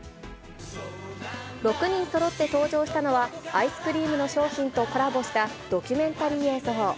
６人そろって登場したのは、アイスクリームの商品とコラボしたドキュメンタリー映像。